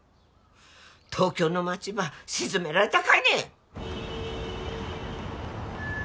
東京の街ば沈められたかいね！？